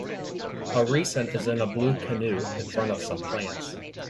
A reson is in a blue canoe in front of some plants.